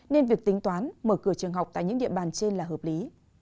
nên việc tính toán mở cửa trường học tại những địa bàn trên là hợp lý